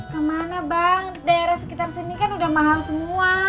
kemana bang daerah sekitar sini kan udah mahal semua